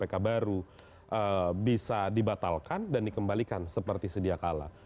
untuk membuatnya undang undang kpk baru bisa dibatalkan dan dikembalikan seperti sedia kala